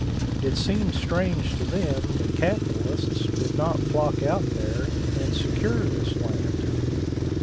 It seemed strange to them that capitalists did not flock out there and secure this land.